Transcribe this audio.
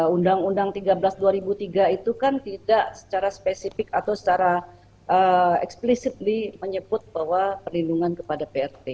undang undang tiga belas dua ribu tiga itu kan tidak secara spesifik atau secara explicitly menyebut bahwa perlindungan kepada prt